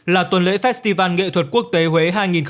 là tuần lễ festival nghệ thuật quốc tế huế hai nghìn hai mươi bốn